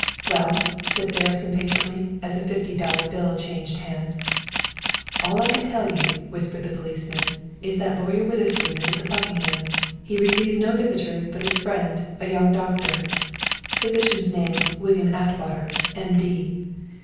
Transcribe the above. "Well!" said Ferris impatiently, as a fifty dollar bill changed hands. "All I can tell you," whispered the policeman, "is that Lawyer Witherspoon is at the Buckingham. He received no visitors but his friend, a young doctor. "Physician's name, William Atwater, M.D.